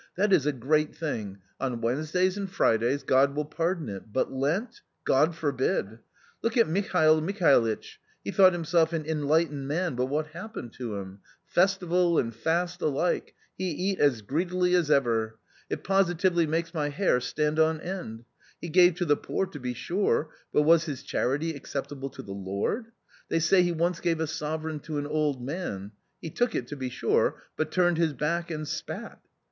That is a great thing ! On Wednesdays and Fridays, God will pardon it, but Lent — God forbid ! Look at Mikhailo Mikhailitch, he thought himself an enlightened man, but what happened to him ? Festival and fast alike — he eat as greedily as ever. It positively makes my hair stand on end. He gave to the poor to be sure, but was his charity acceptable to the Lord ? They say he once gave a sovereign to an old man ; he took it to be sure, but turned his back and spat.